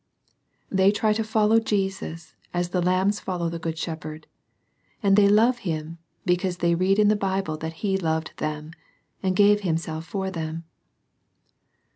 They tiy to follow Jesus, as the lambs follow the good shepherd. And they love Him, because they read in the Bible that He loved them, and gave Himself for them.